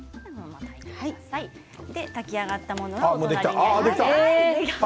炊き上がったものがあります。